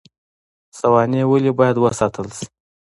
سوانح ولې باید وساتل شي؟